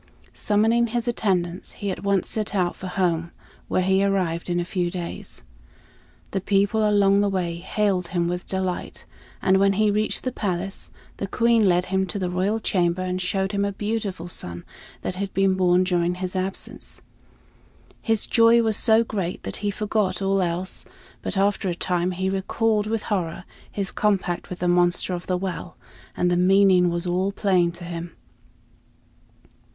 Summoning his attendants, he at once set out for home, where he arrived in a few days. The people along the way hailed him with delight; and when he reached the palace, the Queen led him to the royal chamber and showed him a beautiful son that had been born during his absence. His joy was so great that he forgot all else; but after a time he recalled with horror his compact with the monster of the well, and the meaning was all plain to him.